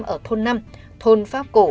ở thôn năm thôn pháp cổ